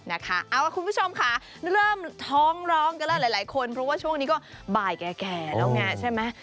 เอาล่ะคุณผู้ชมค่ะเริ่มท้องร้องกันแล้วหลายคนเพราะว่าช่วงนี้ก็บ่ายแก่แล้วไงใช่ไหม